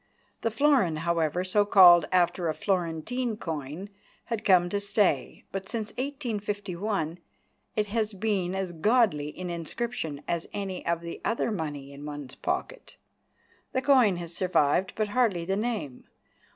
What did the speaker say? The florin, however, so called after a Florentine coin, had come to stay, but since 1851 it has been as godly in inscription as any of the other money in one's pocket. The coin has survived, but hardly the name.